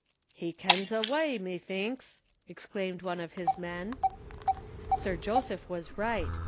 "He kens a wy, methinks!" exclaimed one of his men. Sir Joseph was right.